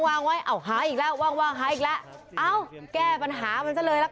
วางไว้อ้าวหาอีกแล้ววางวางหาอีกแล้วเอ้าแก้ปัญหามันซะเลยละกัน